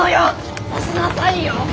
渡しなさいよ。